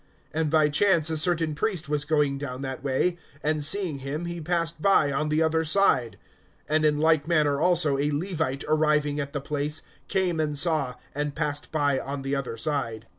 (31)And by chance a certain priest was going down that way; and seeing him, he passed by on the other side. (32)And in like manner also a Levite, arriving at the place, came and saw, and passed by on the other side.